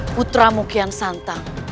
putra mukian santang